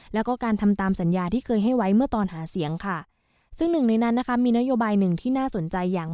แล้วก็การทำตามสัญญาที่เคยให้ไว้เมื่อตอนหาเสียงค่ะซึ่งหนึ่งในนั้นนะคะมีนโยบายหนึ่งที่น่าสนใจอย่าง